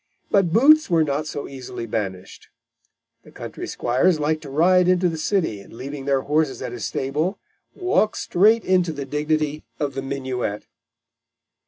But boots were not so easily banished. The country squires liked to ride into the city, and, leaving their horses at a stable, walk straight into the dignity of the minuet.